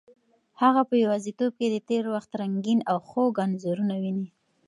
هغه په یوازیتوب کې د تېر وخت رنګین او خوږ انځورونه ویني.